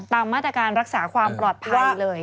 ตามมาตรการรักษาความปลอดภัยเลย